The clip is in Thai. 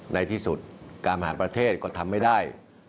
ในที่สุดการบริหารประเทศก็ทำไม่ได้